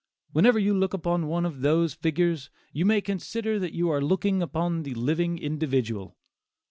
Whenever you look upon one of those figures, you may consider that you are looking upon the living individual."